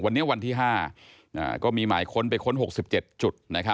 วันนี้วันที่๕ก็มีหมายค้นไปค้น๖๗จุด